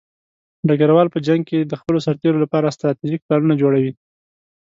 ډګروال په جنګ کې د خپلو سرتېرو لپاره ستراتیژیک پلانونه جوړوي.